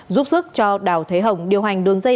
giúp sức cho đào thế hồng điều hành đường dây